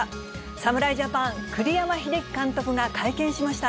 侍ジャパン、栗山英樹監督が会見しました。